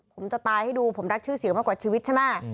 ผมจะตายให้ดูผมรักชื่อเสียงมากกว่าชีวิตใช่ไหม